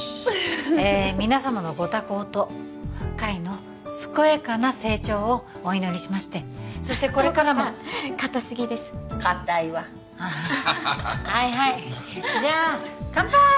ええ皆様のご多幸と海の健やかな成長をお祈りしましてそしてこれからも瞳子さん硬すぎです硬いわああはいはいじゃあカンパーイ！